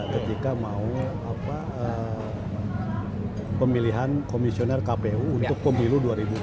ketika mau pemilihan komisioner kpu untuk pemilu dua ribu dua puluh